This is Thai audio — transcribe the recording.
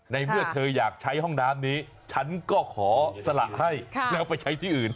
ในเมื่อเธออยากใช้ห้องน้ำนี้ฉันก็ขอสละให้แล้วไปใช้ที่อื่น